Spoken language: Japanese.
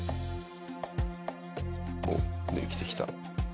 おっできてきた。